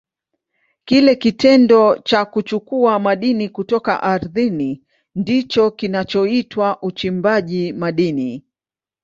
Kile kitendo cha kuchukua madini kutoka ardhini ndicho kinachoitwa uchimbaji madini.